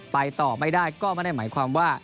ไปต่อไม่ได้ก็ไม่ได้หมายความว่า